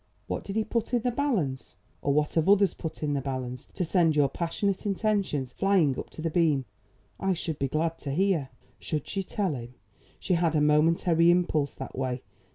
What did he put in the balance, or what have others put in the balance, to send your passionate intentions flying up to the beam? I should be glad to hear." Should she tell him? She had a momentary impulse that way.